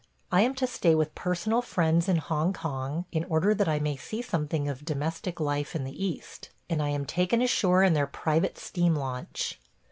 I am to stay with personal friends in Hong Kong in order that I may see something of domestic life in the East; and I am taken ashore in their private steam launch.